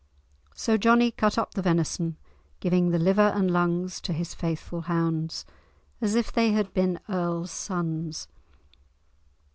So Johnie cut up the venison, giving the liver and lungs to his faithful hounds, as if they had been earl's sons.